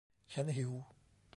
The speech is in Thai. "ฉันหิว !"